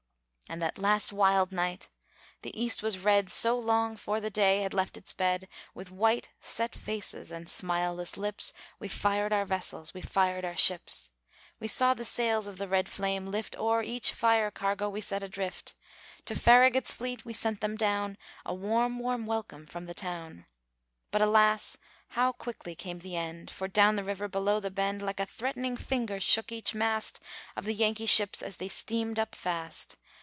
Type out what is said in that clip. And that last wild night! the east was red So long 'fore the day had left its bed. With white, set faces, and smileless lips, We fired our vessels, we fired our ships. We saw the sails of the red flame lift O'er each fire cargo we set adrift; To Farragut's fleet we sent them down, A warm, warm welcome from the town. But, alas, how quickly came the end! For down the river, below the bend, Like a threatening finger shook each mast Of the Yankee ships as they steamed up fast.